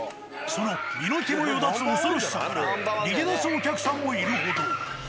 その身の毛もよだつ恐ろしさから逃げ出すお客さんもいるほど。